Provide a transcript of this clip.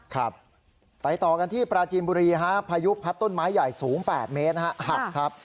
ครับไปต่อกันที่ปราจีนบุรีฮะพายุพัดต้นไม้ใหญ่สูง๘เมตรหักครับ